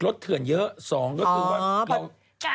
๑รถถื่นเยอะ๒รถถื่นว่า